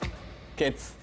ケツ。